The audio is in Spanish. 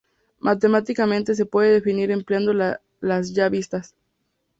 Matemáticamente se pueden definir empleando las ya vistas.